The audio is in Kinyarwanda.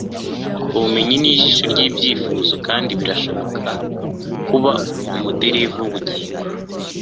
ubumenyi ni ijisho ry'ibyifuzo kandi birashobora kuba umuderevu w'ubugingo